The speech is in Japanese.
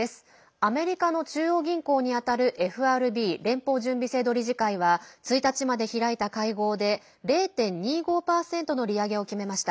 アメリカの中央銀行にあたるＦＲＢ＝連邦準備制度理事会は１日まで開いた会合で０．２５％の利上げを決めました。